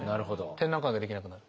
展覧会ができなくなる。